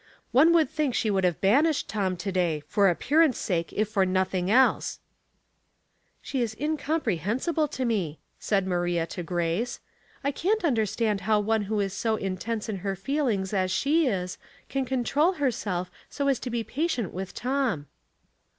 " One would think she would have banished Tom to day, for appearance' sake, if for nothing else." 332 Household Puzzles. "She is incomprehensible to me," said Maria to Grace. " I can't understand how one who is so intense in her feelings as she is can control Herself so as to be patient with Tom."